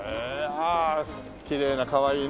ああきれいなかわいいね。